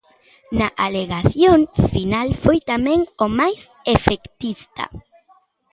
Na alegación final, foi tamén o máis efectista.